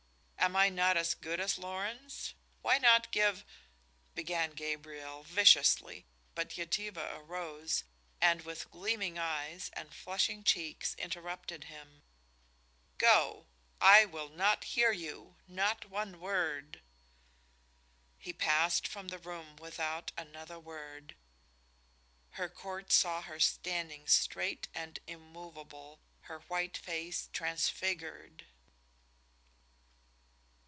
Am I not as good as Lorenz? Why not give " began Gabriel, viciously, but Yetive arose, and, with gleaming eyes and flushing cheeks, interrupted him. "Go! I will not hear you not one word!" He passed from the room without another word. Her Court saw her standing straight and immovable, her white face transfigured.